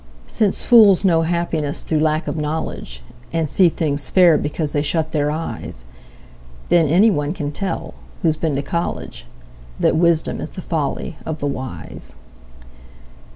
Since fools know happiness through lack of knowledge, And see things fair because they shut their eyes, Then any one can tell, who's been to college, That wisdom is the folly of the wise.